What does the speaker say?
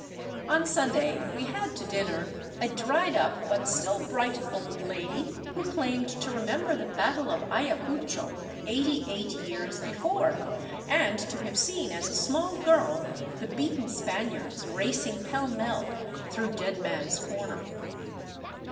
On Sunday we had to dinner a dried up but still bright old lady who claimed to remember the battle of Ayacucho, 88 years before, and to have seen as a small girl the beaten Spaniards racing pell mell through " Dead Man's Corner."